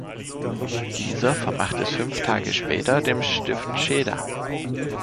Dieser vermacht es fünf Tage später dem Stift Scheda.